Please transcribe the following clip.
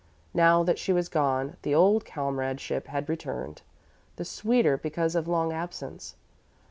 Now that she was gone, the old comradeship had returned, the sweeter because of long absence.